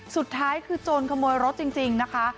สุดท้ายคือโจรขโมยรถจริงนะคะ